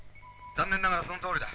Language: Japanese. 「残念ながらそのとおりだ。